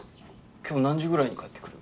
今日何時ぐらいに帰ってくる？